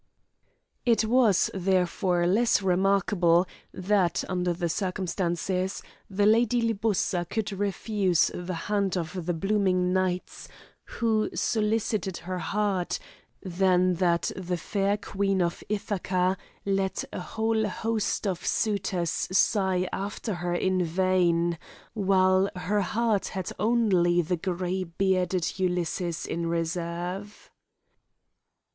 It was therefore less remarkable, that, under the circumstances, the Lady Libussa could refuse the hand of the blooming knights who solicited her heart, than that the fair Queen of Ithaca let a whole host of suitors sigh after her in vain, while her heart had only the grey bearded Ulysses in reserve.